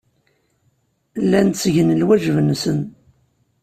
Llan ttgen lwajeb-nsen.